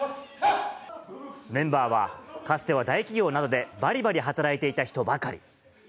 メンバーは、かつては大企業などでばりばり働いていた人ばかり。